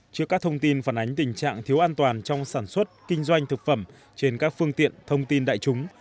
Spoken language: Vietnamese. trước các thông tin phản ánh tình trạng thiếu an toàn trong sản xuất kinh doanh thực phẩm trên các phương tiện thông tin đại chúng